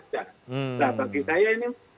nah bagi saya ini